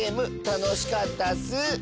たのしかったッス。